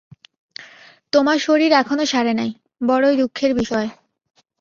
তোমার শরীর এখনও সারে নাই, বড়ই দঃখের বিষয়।